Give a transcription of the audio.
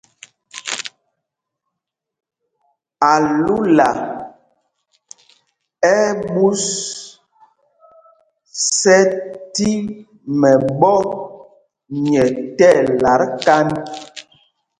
Álula ɛ́ ɛ́ ɓūs ɛ́ tí mɛɓɔ̄ nyɛ tí ɛlat kānd.